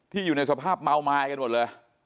อยู่ในสภาพเมาไม้กันหมดเลย